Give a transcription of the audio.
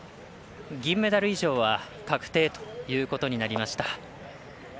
銀メダル以上は確定ということになりました。